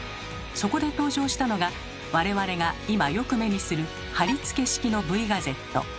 そこで登場したのが我々が今よく目にする「貼り付け式」のＶガゼット。